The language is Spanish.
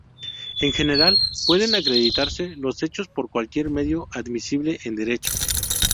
En general, pueden acreditarse los hechos por cualquier medio admisible en derecho.